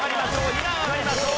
２段上がりましょう。